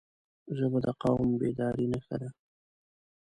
ژبه د قوم بیدارۍ نښه ده